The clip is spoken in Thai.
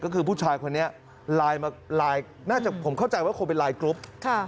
ก็คือผู้ชายคนนี้น่าจะผมเข้าใจว่าเด็กเป็นรายทรนดร์